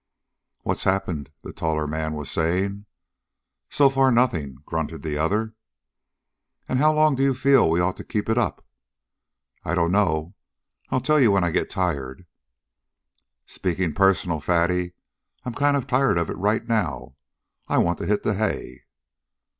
"What's happened?" the taller man was saying. "So far, nothing," grunted the other. "And how long do you feel we'd ought to keep it up?" "I dunno. I'll tell you when I get tired." "Speaking personal, Fatty, I'm kind of tired of it right now. I want to hit the hay."